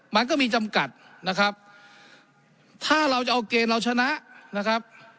มันก็มีจำกัดนะครับถ้าเราจะเอาเกณฑ์เราชนะนะครับ